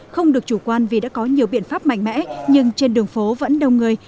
không được chủ quan vì đã có nhiều biện pháp mạnh mẽ nhưng trên đường phố vẫn đông người